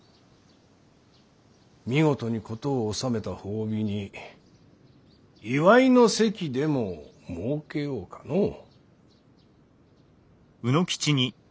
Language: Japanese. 見事に事を収めた褒美に祝いの席でも設けようかのう。